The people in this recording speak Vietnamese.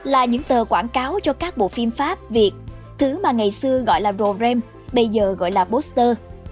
là những tờ quảng cáo cho các bộ phim pháp việt thứ mà ngày xưa gọi là program bây giờ gọi là poster